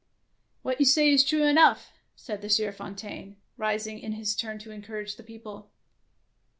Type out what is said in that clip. ''" What you say is true enough," said the Sieur Fontaine, rising in his turn to encourage the people.